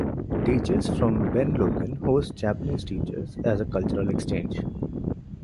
Teachers from Ben Logan host Japanese teachers as a cultural exchange.